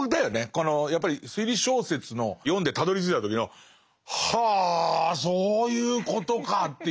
このやっぱり推理小説の読んでたどりついた時のはそういうことかっていう。